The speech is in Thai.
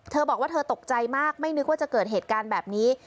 เธอบอกว่าเธอตกใจมากไม่นึกว่าจะเกิดเหตุการณ์แบบนี้